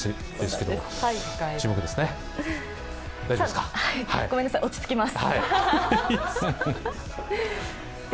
はい、ごめんなさい、落ち着きます。